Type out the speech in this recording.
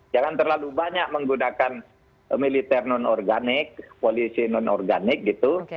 jangan terlalu banyak menggunakan militer non organik polisi non organik gitu